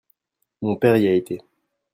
Mon père y a été.